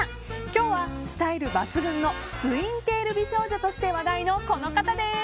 今日はスタイル抜群のツインテール美少女として話題のこの方です。